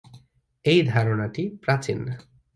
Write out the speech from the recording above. এই ধারণাটি প্রাচীন।